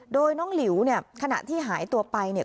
โดยน้องหลิวเนี่ยขณะที่หายตัวไปเนี่ย